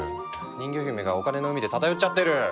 人魚姫がお金の海で漂っちゃってる！